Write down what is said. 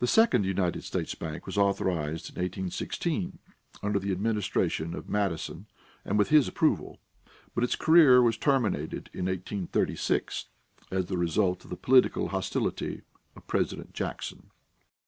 The second United States Bank was authorized in 1816, under the administration of Madison and with his approval, but its career was terminated in 1836, as the result of the political hostility of President Jackson.